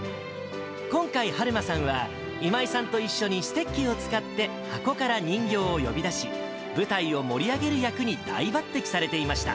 今回、はるまさんは今井さんと一緒にステッキを使って箱から人形を呼び出し、舞台を盛り上げる役に大抜てきされていました。